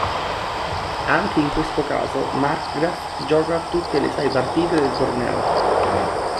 Anche in questo caso Markgraf gioca tutte le sei partite del torneo.